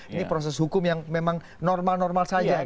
ini proses hukum yang memang normal normal saja